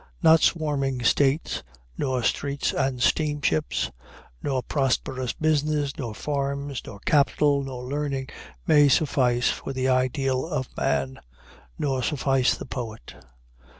Not swarming states, nor streets and steamships, nor prosperous business, nor farms, nor capital, nor learning, may suffice for the ideal of man nor suffice the poet.